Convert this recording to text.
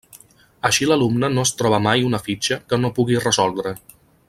Així l'alumne no es troba mai una fitxa que no pugui resoldre.